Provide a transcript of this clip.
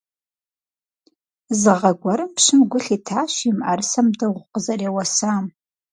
Зы гъэ гуэрым пщым гу лъитащ и мыӀэрысэм дыгъу къызэреуэсам.